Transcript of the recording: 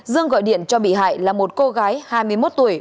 dương gọi điện cho bị hại là một cô gái hai mươi một tuổi